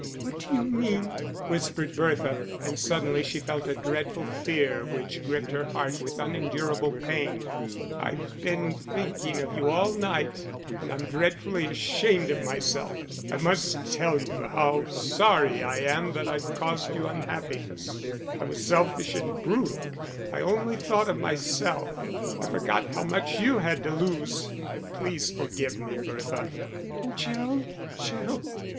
"What do you mean?" whispered Bertha, and suddenly she felt a dreadful fear which gripped her heart with unendurable pain. "I've been thinking of you all night, and I'm dreadfully ashamed of myself. I must tell you how sorry I am that I've caused you unhappiness. I was selfish and brutal; I only thought of myself. I forgot how much you had to lose. Please forgive me, Bertha." "Oh, Gerald, Gerald."